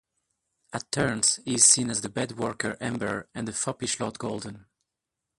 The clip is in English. At turns, he is seen as the beadworker Amber and the foppish Lord Golden.